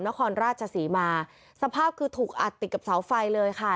นครราชศรีมาสภาพคือถูกอัดติดกับเสาไฟเลยค่ะ